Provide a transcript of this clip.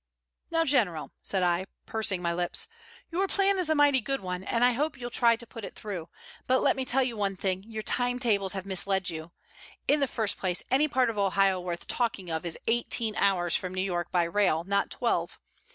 "Now, General," said I, pursing my lips, "your plan is a mighty good one, and I hope you'll try to put it through. But let me tell you one thing your time tables have misled you. In the first place, any part of Ohio worth talking of is eighteen hours from New York by rail, not twelve.